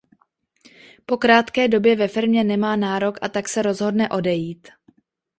Po krátké době ve firmě nemá nárok a tak se rozhodne odejít.